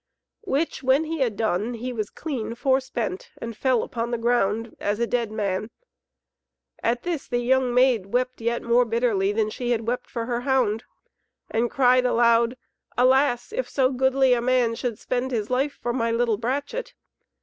Which when he had done he was clean for spent and fell upon the ground as a dead man. At this the young maid wept yet more bitterly than she had wept for her hound, and cried aloud, "Alas, if so goodly a man should spend his life for my little brachet!"